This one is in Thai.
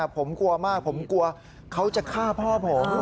ผมกลัวมากผมกลัวเขาจะฆ่าพ่อผม